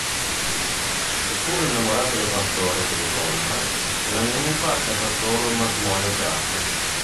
Seppur innamorata del pastore che incontra la ninfa accetta solo un matrimonio casto.